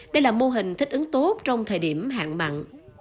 đây là mô hình thích ứng tốt trong thời điểm hạn mặn